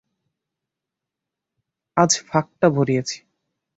আজ ফাঁকটা ভরিয়েছি।